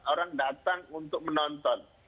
orang datang untuk menonton